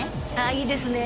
いいですね